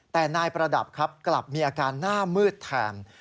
แต่นายประดับครับกลับมีอาการหน้ามืดแทน